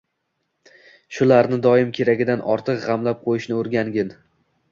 Shularni doim keragidan ortiq g‘amlab qo‘yishni o‘rgangin